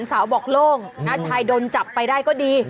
สาวบอกโล่งน้าชายโดนจับไปได้ก็ดี